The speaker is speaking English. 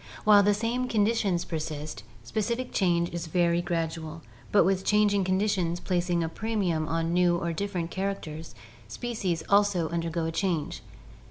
While the same conditions persist, specific change is very gradual, but with changing conditions plac ing a premium on new or different characters, species also undergo a change.